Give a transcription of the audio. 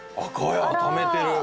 ためてる！